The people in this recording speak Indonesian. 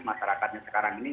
masyarakatnya sekarang ini